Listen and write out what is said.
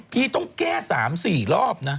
พี่ต้องแก้๓๔รอบนะ